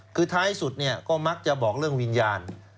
คือท้ายสุดก็มักจะบอกเรื่องวิญญาณ